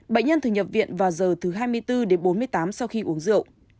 bệnh nhân thường nhập viện vào giờ thứ hai mươi bốn đến bốn mươi tám sau khi uống rượu